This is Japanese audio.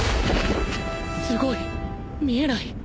すごい見えない